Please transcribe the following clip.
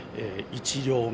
１両目